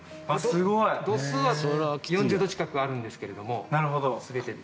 すごい！度数は４０度近くあるんですけれどもなるほど。